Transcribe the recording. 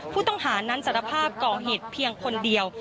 ผู้ต้องหานั้นสารภาพก่อเหตุเพียงคนเดียว